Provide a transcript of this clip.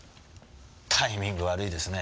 タイミング悪いですね。